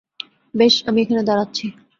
বেশ, আমি এখানে দাঁড়াচ্ছি।